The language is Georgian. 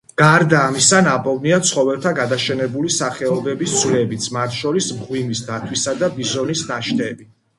გარდა ამისა, ნაპოვნია ცხოველთა გადაშენებული სახეობების ძვლებიც, მათ შორის მღვიმის დათვისა და ბიზონის ნაშთები.